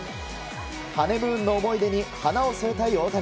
ハネムーンの思い出に花を添えたい大谷。